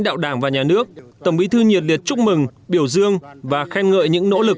đạo đảng và nhà nước tổng bí thư nhiệt liệt chúc mừng biểu dương và khen ngợi những nỗ lực